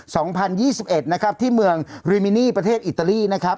สองพันยี่สิบเอ็ดนะครับที่เมืองริมินีประเทศอิตาลีนะครับ